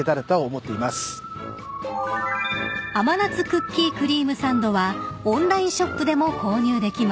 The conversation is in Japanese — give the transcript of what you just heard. クリームサンドはオンラインショップでも購入できます］